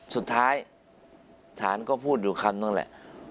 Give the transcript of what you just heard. สุดท้ายศาลก็พูดอยู่คำนึงแหละ